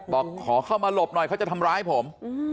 บอกขอเข้ามาหลบหน่อยเขาจะทำร้ายผม